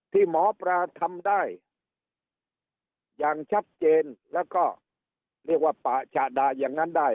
ที่หมอปลาทำได้อย่างชัดเจนแล้วก็เรียกว่าปะฉะดาอย่างนั้นได้